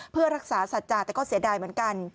เพื่อรักษาสัจจาแต่ก็เสียดายเหมือนกัน